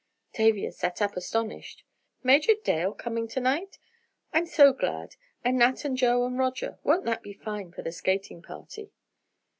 Tavia sat up astonished. "Major Dale coming to night? I'm so glad. And Nat and Joe and Roger! Won't that be fine for the skating party?"